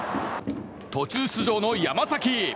途中出場の山崎。